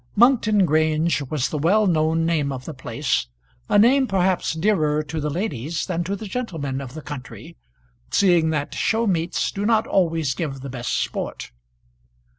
Monkton Grange was the well known name of the place, a name perhaps dearer to the ladies than to the gentlemen of the country, seeing that show meets do not always give the best sport.